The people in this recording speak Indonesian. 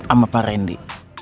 sama pak randy